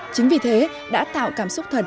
chính vì thế đã tạo cảm xúc thật